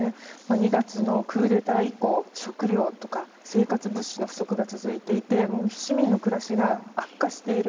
２月のクーデター以降食料とか生活物資の不足が続いていて市民の暮らしが悪化している。